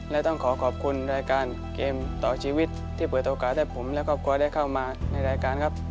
และต้องขอขอบคุณรายการเกมต่อชีวิตที่เปิดโอกาสให้ผมและครอบครัวได้เข้ามาในรายการครับ